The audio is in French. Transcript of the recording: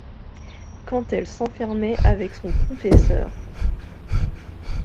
Quand elle s'enfermait avec son confesseur